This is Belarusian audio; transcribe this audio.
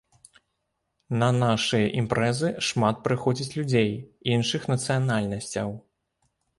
На нашыя імпрэзы шмат прыходзіць людзей іншых нацыянальнасцяў.